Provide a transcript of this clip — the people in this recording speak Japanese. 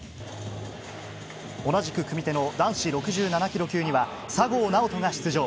同じく組手の男子６７ｋｇ級には佐合尚人が出場。